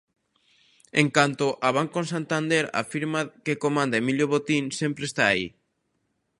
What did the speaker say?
En canto a Banco Santander, a firma que comanda Emilio Botín "sempre está aí".